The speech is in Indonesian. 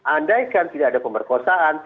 andaikan tidak ada pemberkosaan